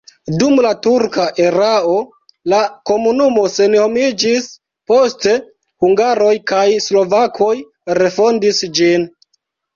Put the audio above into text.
Dum la turka erao la komunumo senhomiĝis, poste hungaroj kaj slovakoj refondis ĝin.